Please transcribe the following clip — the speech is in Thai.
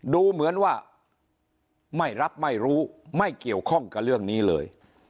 ดูเหมือนว่าไม่รับไม่รู้ไม่เกี่ยวข้องกับเรื่องนี้เลย